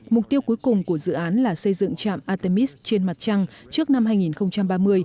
mục tiêu cuối cùng của dự án là xây dựng trạm artemis trên mặt trăng trước năm hai nghìn ba mươi